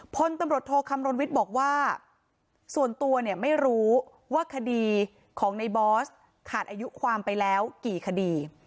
พลตำรวจโทคำรณวิทย์บอกว่าส่วนตัวเนี่ยไม่รู้ว่าคดีของในบอสขาดอายุความไปแล้วกี่คดี